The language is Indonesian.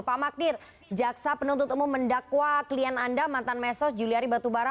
pak mbak diri jaksa penuntut umum mendakwa klien anda mantan menteri sosial juliari batubara